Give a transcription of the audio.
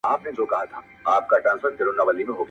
• ځلېدل به یې په لمر کي چاغ ورنونه -